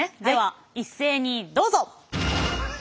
では一斉にどうぞ！